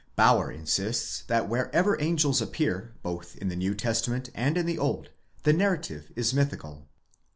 Bauer insists that wherever angels appear, both in the New Testament and in the Old, the narrative is mythical.